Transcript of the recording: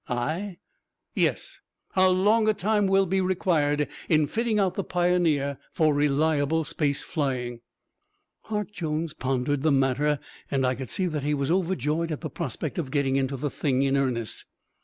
"I?" "Yes. How long a time will be required in fitting out the Pioneer for reliable space flying?" Hart Jones pondered the matter and I could see that he was overjoyed at the prospect of getting into the thing in earnest.